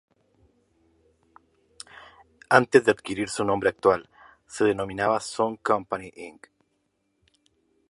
Antes de adquirir su nombre actual, se denominaba Sun Company Inc.